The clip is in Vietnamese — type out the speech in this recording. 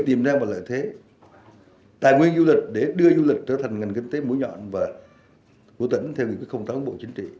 tìm ra một lợi thế tài nguyên du lịch để đưa du lịch trở thành ngành kinh tế mũi nhọn của tỉnh theo những công tác của bộ chính trị